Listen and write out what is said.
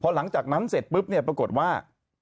หลังจากนั้นเสร็จปุ๊บเนี่ยปรากฏว่า